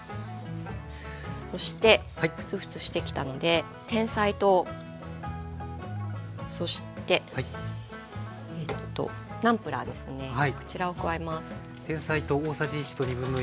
そしてフツフツしてきたのでてんさい糖そしてナムプラーですねこちらを加えます。